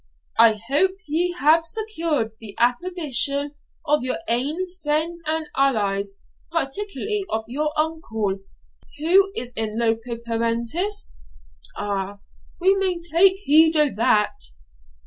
I hope ye hae secured the approbation of your ain friends and allies, particularly of your uncle, who is in loco parentis? Ah! we maun tak heed o' that.'